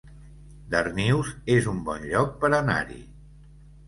Darnius es un bon lloc per anar-hi